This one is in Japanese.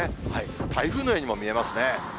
台風のようにも見えますね。